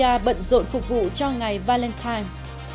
các nhà bận rộn phục vụ cho ngày valentine